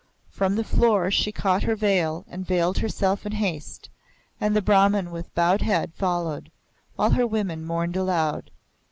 From the floor she caught her veil and veiled herself in haste, and the Brahman with bowed head followed, while her women mourned aloud.